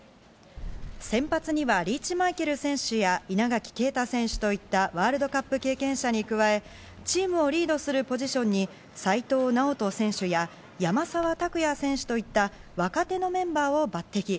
先発にはリーチ・マイケル選手や稲垣啓太選手といったＷ杯経験者に加え、チームをリードするポジションに齋藤直人選手や山沢拓也選手といった若手のメンバーを抜てき。